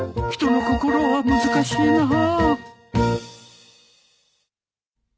人の心は難しいな。